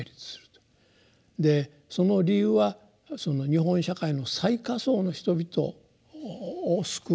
でその理由は日本社会の最下層の人々を救おうと。